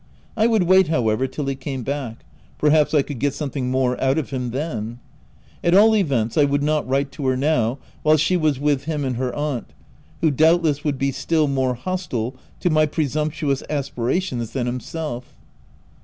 I would wait, however, till he came back : perhaps I could get something more out of him then. At all events, I would not write to her now, while she was with him and her aunt, who doubtless would be still more hostile to my presumptuous aspirations than himself.